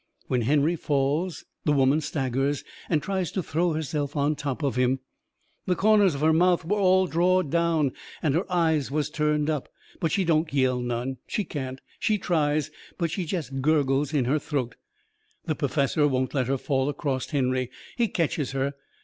When Henry falls the woman staggers and tries to throw herself on top of him. The corners of her mouth was all drawed down, and her eyes was turned up. But she don't yell none. She can't. She tries, but she jest gurgles in her throat. The perfessor won't let her fall acrost Henry. He ketches her.